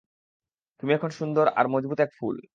তুমি এখন সুন্দর আর মজবুত এক ফুল।